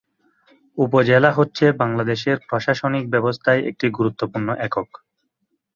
উপজেলা হচ্ছে বাংলাদেশের প্রশাসনিক ব্যবস্থায় একটি গুরুত্বপূর্ণ একক।